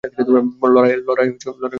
লড়াইয়ে যেও না?